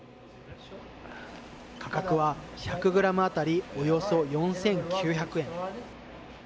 価格は１００グラム当たりおよそ４９００円。